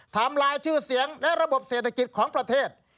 ทำลายชื่อเสียงและระบบเศรษฐกิจของประเทศ